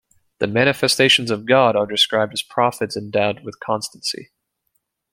The Manifestations of God are described as prophets endowed with constancy.